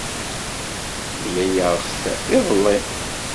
Mlaleɣ-t iḍelli.